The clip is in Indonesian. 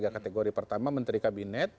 tiga kategori pertama menteri kabinet